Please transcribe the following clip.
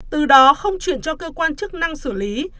từ đó không chuyển cho cơ quan chức năng xử lý